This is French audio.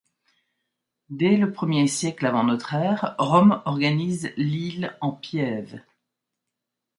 Dès le premier siècle avant notre ère, Rome organise l'île en pièves.